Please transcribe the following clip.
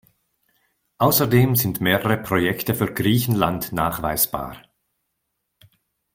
Außerdem sind mehrere Projekte für Griechenland nachweisbar.